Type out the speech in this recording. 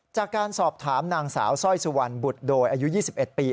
จากการสอบถามนางสาวสร้อยสุวรรณบุตรโดยอายุ๒๑ปี